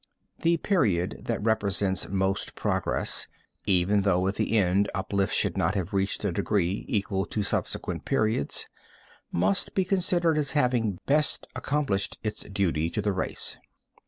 The period that represents most progress, even though at the end uplift should not have reached a degree equal to subsequent periods, must be considered as having best accomplished its duty to the race.